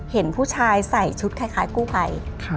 เห็นผู้ชายใส่ชุดคล้ายกู้ภัย